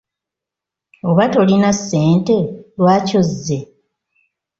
Oba tolina ssente lwaki ozze?